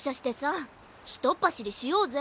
ひとっぱしりしようぜ。